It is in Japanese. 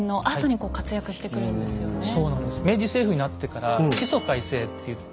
明治政府になってから「地租改正」っていって。